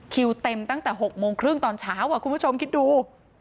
คิวเต็มตั้งแต่๖โมงครึ่งตอนเช้าคุณผู้ชมคิดดู